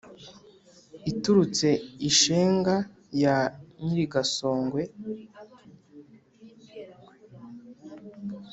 iturutse i shenga ya nyirigasogwe,